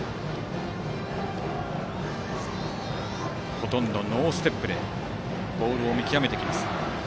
ほとんどノーステップでボールを見極めてきます。